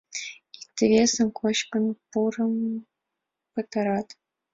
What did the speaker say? Икте-весым кочкын-пурын пытарат.